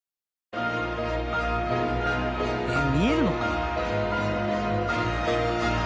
えっ見えるのかな？